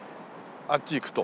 あっち行くと。